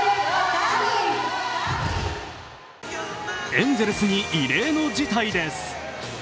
エンゼルスに異例の事態です。